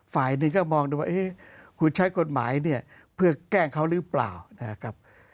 ฝ่ายนี้ก็มองดูว่าคุณใช้กฎหมายเพื่อแก้งเขาหรือเปล่า